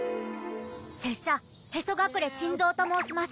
拙者屁祖隠珍蔵と申します。